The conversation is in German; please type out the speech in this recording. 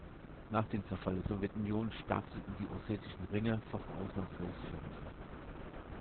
Nach dem Zerfall der Sowjetunion starteten die ossetischen Ringer fast ausnahmslos für Russland.